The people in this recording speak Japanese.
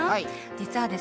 実はですね